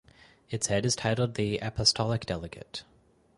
Its head is titled the Apostolic Delegate.